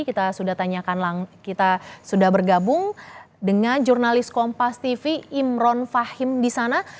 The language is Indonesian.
kita sudah tanyakan kita sudah bergabung dengan jurnalis kompas tv imron fahim di sana